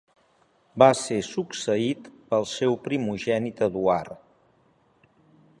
Va ser succeït pel seu primogènit Eduard.